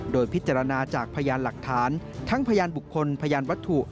โดยพิจารณาจากพยานหลักฐานทั้งพยานบุคคลพยานวัตถุ